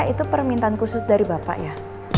itu permintaan khusus dari bapak ya